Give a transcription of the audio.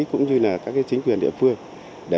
cũng như là các chính quyền địa phương